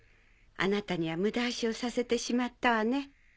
あなたにはムダ足をさせてしまったわね。